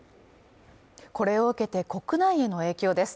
これを受けて国内への影響です